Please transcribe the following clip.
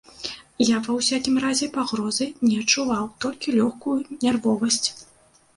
Я, ва ўсякім разе, пагрозы не адчуваў, толькі лёгкую нервовасць.